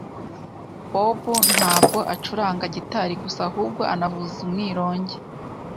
Bob ntabwo acuranga gitari gusa ahubwo anavuza umwironge.